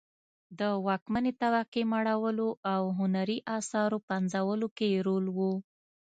د واکمنې طبقې مړولو او هنري اثارو پنځولو کې یې رول و